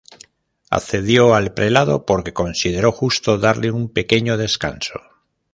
Accedió el prelado porque considero justo darle un pequeño descanso.